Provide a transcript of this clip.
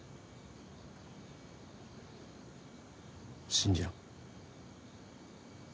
信じろ。